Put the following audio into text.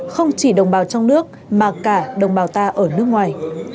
không chỉ đồng bào trong nước mà cả đồng bào ta ở nước ngoài